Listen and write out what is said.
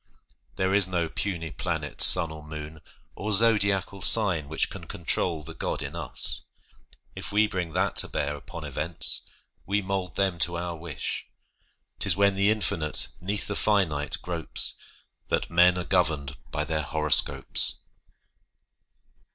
There is no puny planet, sun, or moon, Or zodiacal sign which can control The God in us! If we bring that to bear Upon events, we mould them to our wish; 'Tis when the infinite 'neath the finite gropes That men are governed by their horoscopes.